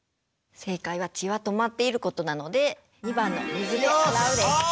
正解は血は止まっていることなので２番の水で洗うです。